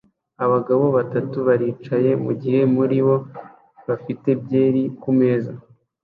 Abagabo batatu baricaye mugihe muri bo bafite byeri kumeza